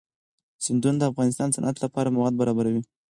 سیندونه د افغانستان د صنعت لپاره مواد برابروي.